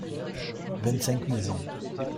Vingt-cinq maisons.